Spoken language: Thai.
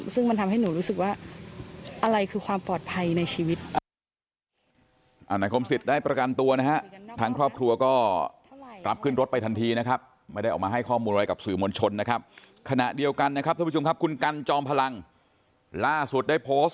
ซึ่งมันทำให้หนูรู้สึกว่าอะไรคือความปลอดภัยในชีวิต